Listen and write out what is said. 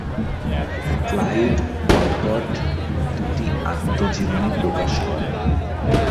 Clyde Walcott দু'টি আত্মজীবনী প্রকাশ করেন।